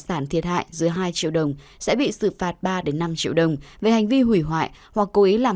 sản thiệt hại dưới hai triệu đồng sẽ bị xử phạt ba năm triệu đồng về hành vi hủy hoại hoặc cố ý làm